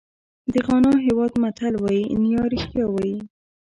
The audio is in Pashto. د غانا هېواد متل وایي نیا رښتیا وایي.